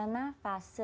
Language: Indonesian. yang pertama itu adalah